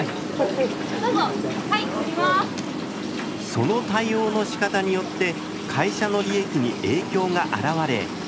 その対応のしかたによって会社の利益に影響が現れ。